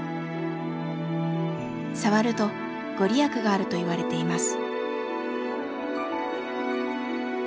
触ると御利益があるといわれています。